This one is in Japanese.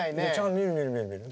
見る見る見る見る。